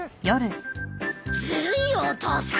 ずるいよお父さん！